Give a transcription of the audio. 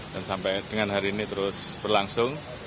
dan sampai dengan hari ini terus berlangsung